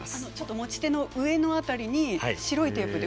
持ち手の上の辺りに白いテープで。